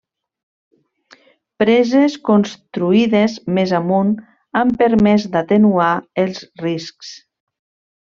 Preses construïdes més amunt han permès d'atenuar els riscs.